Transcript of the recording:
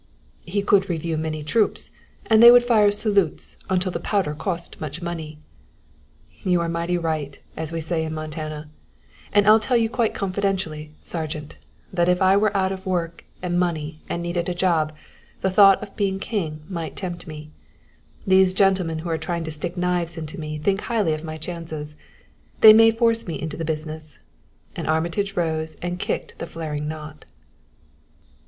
"He could review many troops and they would fire salutes until the powder cost much money." "You are mighty right, as we say in Montana; and I'll tell you quite confidentially, Sergeant, that if I were out of work and money and needed a job the thought of being king might tempt me. These gentlemen who are trying to stick knives into me think highly of my chances. They may force me into the business " and Armitage rose and kicked the flaring knot.